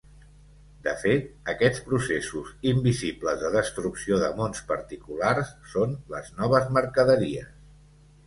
De fet, aquests processos invisibles de destrucció de mons particulars són les noves mercaderies.